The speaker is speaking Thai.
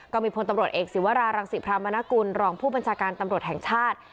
พลตำรวจเอกศิวรารังศิพรามนกุลรองผู้บัญชาการตำรวจแห่งชาติ